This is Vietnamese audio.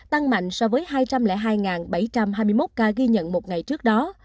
tăng mạnh so với hai trăm linh hai bảy trăm hai mươi một ca ghi nhận một ngày trước đó